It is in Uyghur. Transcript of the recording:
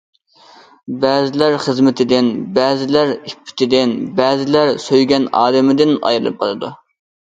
بەزىلەر خىزمىتىدىن، بەزىلەر ئىپپىتىدىن، بەزىلەر سۆيگەن ئادىمىدىن ئايرىلىپ قالىدۇ.